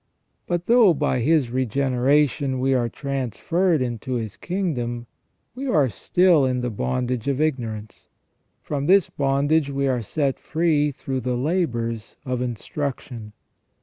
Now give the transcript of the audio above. But though by His regenera tion we are transferred into His kingdom, we are still in the bondage of ignorance. From this bondage we are set free through the labours of instruction.